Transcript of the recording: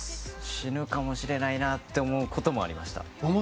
死ぬかもしれないなと思うこともありました。